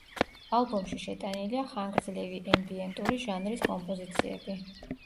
ალბომში შეტანილია ხანგრძლივი ემბიენტური ჟანრის კომპოზიციები.